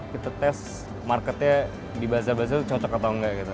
kita tes marketnya di bazar bazar cocok atau enggak gitu